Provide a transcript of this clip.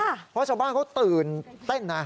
เพราะชาวบ้านเขาตื่นเต้นนะ